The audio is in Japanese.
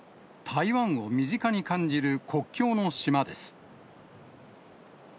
台湾を身近に感じる国境の島です。